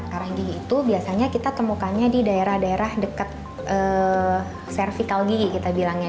karang gigi itu biasanya kita temukannya di daerah daerah dekat cervical gigi kita bilangnya